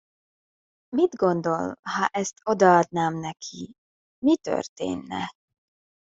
Mit gondol, ha ezt odaadnám neki, mi történne?